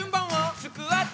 スクワット！